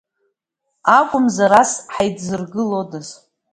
Акәымзар ас ҳаидзыргылодаз.